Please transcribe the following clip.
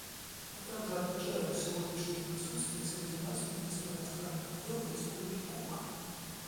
Мы также отмечаем сегодняшнее присутствие среди нас министра иностранных дел Республики Куба.